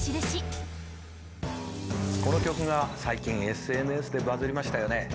この曲が最近ＳＮＳでバズりましたよね。